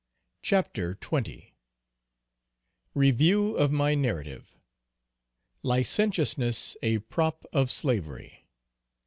CHAPTER XX. _Review of my narrative. Licentiousness a prop of slavery.